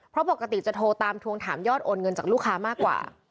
เพราะปกติจะโทรตามทวงถามยอดโอนเงินจากลูกค้ามากกว่า